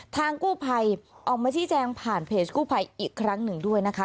ทางกู้ภัยออกมาชี้แจงผ่านเพจกู้ภัยอีกครั้งหนึ่งด้วยนะคะ